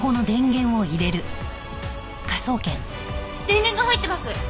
電源が入ってます。